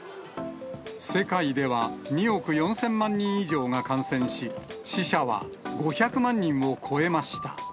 世界では、２億４０００万人以上が感染し、死者は５００万人を超えました。